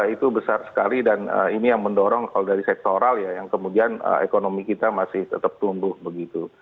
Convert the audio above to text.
itu besar sekali dan ini yang mendorong kalau dari sektoral ya yang kemudian ekonomi kita masih tetap tumbuh begitu